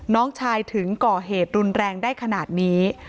น้องชายถึงก่อเหตุรุนแรงได้ขนาดนี้